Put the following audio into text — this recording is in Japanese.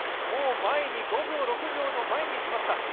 もう前に５秒、６秒前に行きました。